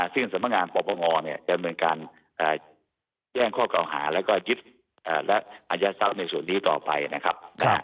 ซึ่งสำมังงานประวังงอเนี่ยจะเมืองการแย่งข้อเก่าหาและก็ยึดและอายัดรวมในส่วนนี้ต่อไปนะครับ